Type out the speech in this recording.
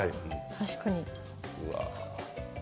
確かに。